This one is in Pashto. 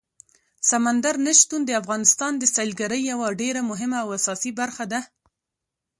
سمندر نه شتون د افغانستان د سیلګرۍ یوه ډېره مهمه او اساسي برخه ده.